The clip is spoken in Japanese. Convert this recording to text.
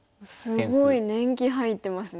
すごい年季入ってますね。